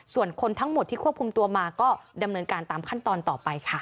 ส่วนคนทั้งหมดที่ควบคุมตัวมาก็ดำเนินการตามขั้นตอนต่อไปค่ะ